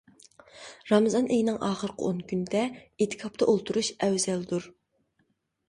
رامىزان ئېيىنىڭ ئاخىرقى ئون كۈنىدە ئېتىكاپتا ئولتۇرۇش ئەۋزەلدۇر.